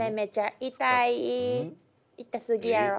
痛すぎやろ。